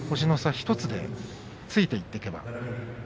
１つでついていっていけば。